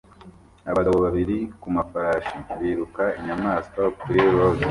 Abagabo babiri ku mafarashi biruka inyamaswa kuri rodeo